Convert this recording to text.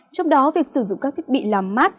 trong đó việc sử dụng các thiết bị làm mát